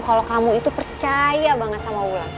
kalau kamu itu percaya banget sama wulan